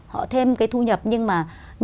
họ thêm cái thu nhập nhưng mà